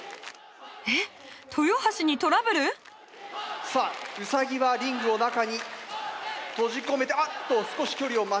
えっ豊橋にトラブル⁉さあウサギはリングを中に閉じ込めてあっと少し距離を間違えたか。